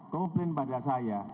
komplain pada saya